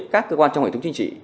các cơ quan trong hệ thống chính trị